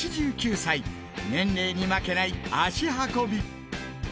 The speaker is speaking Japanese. ８９歳年齢に負けない脚運び